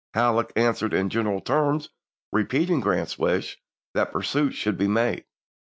Halleck an swered in general terms repeating Grant's wish that pursuit should be made.